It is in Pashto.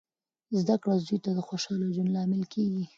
زده کړه زوی ته د خوشخاله ژوند لامل کیږي.